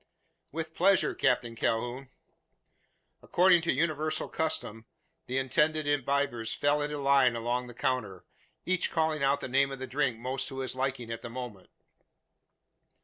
"With pleasure, Captain Calhoun." According to universal custom, the intended imbibers fell into line along the counter, each calling out the name of the drink most to his liking at the moment.